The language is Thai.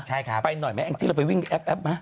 ใช่ครับไปหน่อยไหมแองจี้เราไปวิ่งแอปไหม